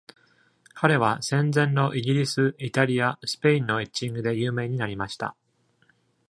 彼は、戦前のイギリス、イタリア、スペインのエッチングで有名になりました。